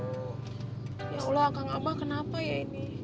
ya allah kang abah kenapa ya ini